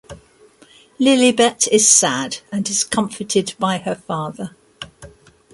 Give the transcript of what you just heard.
Lilibet is sad and is comforted by her father.